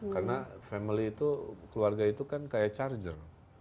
karena family itu keluarga itu kan kayak charger